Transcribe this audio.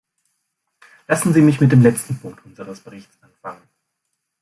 Lassen Sie mich mit dem letzten Punkt unseres Berichts anfangen.